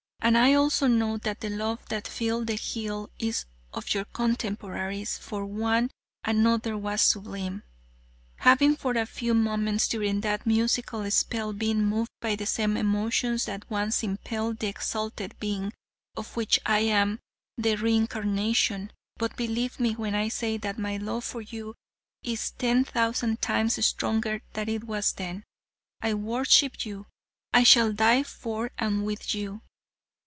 And I also know that the love that filled the heal is of your contemporaries for one another was sublime, having for a few moments during that musical spell been moved by the same emotions that once impelled the exalted being of which I am the re incarnation, but believe me when I say that my love for you now is ten thousand times stronger than it was then. I worship you. I shall die for and with you.